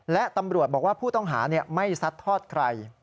และตำรวจบอกว่าผู้ต้องหาไม่ซัดทอดใคร